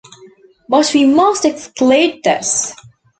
But we must exclude this.